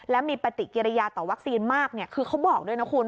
และมีปฏิกิริยาต่อวัคซีนมากคือเขาบอกด้วยนะคุณ